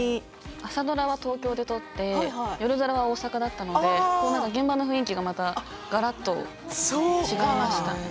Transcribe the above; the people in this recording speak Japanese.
朝ドラは東京で撮って夜ドラは大阪だったのでまた現場の雰囲気ががらっと違いました。